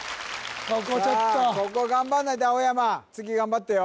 ここちょっとここ頑張んないと青山次頑張ってよ